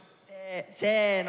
せの。